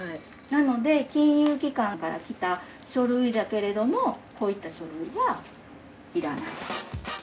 ◆なので、金融機関から来た書類だけれども、こういった書類は要らない。